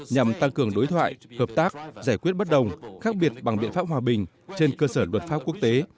nhằm tăng cường đối thoại hợp tác giải quyết bất đồng khác biệt bằng biện pháp hòa bình trên cơ sở luật pháp quốc tế